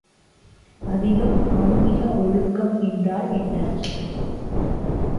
அதிலும் ஆன்மீக ஒழுக்கம் என்றால் என்ன?